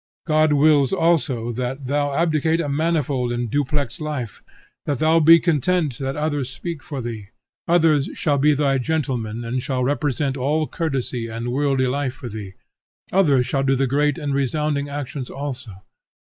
God wills also that thou abdicate a manifold and duplex life, and that thou be content that others speak for thee. Others shall be thy gentlemen and shall represent all courtesy and worldly life for thee; others shall do the great and resounding actions also.